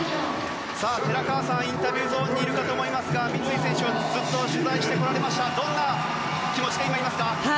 寺川さん、インタビューゾーンにいるかと思いますが三井選手をずっと取材してこられましたが今、どんな気持ちでいますか？